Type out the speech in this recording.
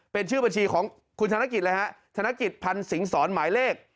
เป็นชื่อบัญชีของคุณธนกิจธนกิจพันศิงสอนหมายเลข